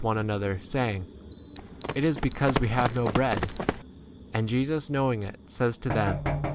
one another [saying n ], [It is] be *7 cause we have no bread. And Jesus knowing [it], says to them.